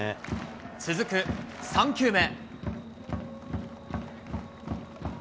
続く３球目。